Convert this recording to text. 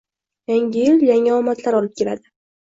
Yangi yil yangi omadlar olib keldi